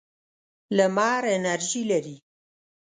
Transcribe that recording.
لمر انرژي لري.